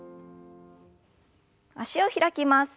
脚を開きます。